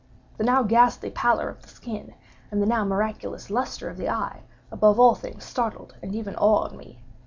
The now ghastly pallor of the skin, and the now miraculous lustre of the eye, above all things startled and even awed me.